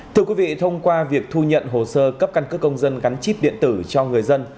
thưa quý vị thông qua việc thu nhận hồ sơ cấp căn cước công dân gắn chip điện tử cho người dân